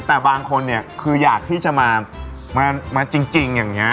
แต่บางคนเนี่ยคืออยากที่จะมาจริงอย่างนี้